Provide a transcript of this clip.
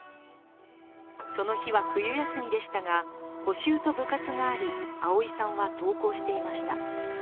その日は冬休みでしたが補習と部活があり碧さんは登校していました。